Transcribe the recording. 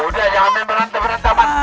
udah jangan main berantem berantem pak